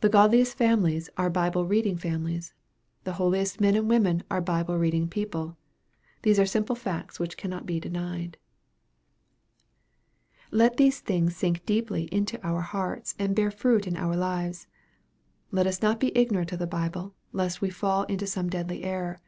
The godliest families are Bible reading families. The holiest men and women are Bible reading people. These are simple facts which cannot be denied. Let these things sink deeply into our hearts, and bear fruit in our lives. Let us not be ignorant of the Bible, lest we fall into some deadly error.